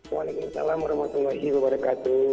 waalaikumsalam warahmatullahi wabarakatuh